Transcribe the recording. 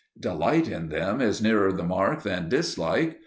Delight in them is nearer the mark than dislike.